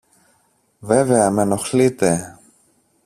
Βέβαια μ' ενοχλείτε!